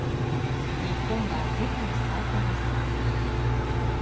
日本が世界最多です。